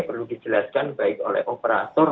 perlu dijelaskan baik oleh operator